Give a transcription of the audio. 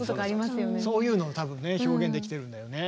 そういうのを多分表現できてるんだよね。